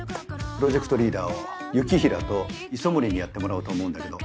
プロジェクトリーダーを雪平と磯森にやってもらおうと思うんだけど。